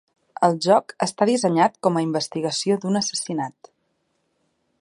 El joc està dissenyat com a investigació d'un assassinat.